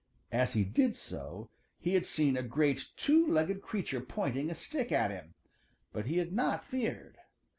As he did so he had seen a great two legged creature pointing a stick at him, but he had not feared.